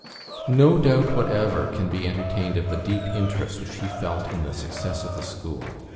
No doubt whatever can be entertained of the deep interest which he felt in the success of the school.